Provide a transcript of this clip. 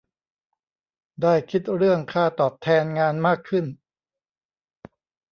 ได้คิดเรื่องค่าตอบแทนงานมากขึ้น